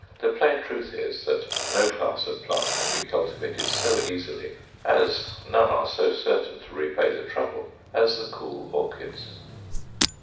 The plain truth is that no class of plant can be cultivated so easily, as none are so certain to repay the trouble, as the Cool Orchids.